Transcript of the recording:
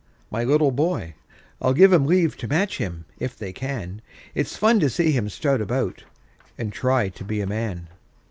My little boy—I'll give 'em leave to match him, if they can; It's fun to see him strut about, and try to be a man!